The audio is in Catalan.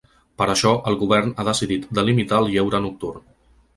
Per això el govern ha decidit de limitar el lleure nocturn.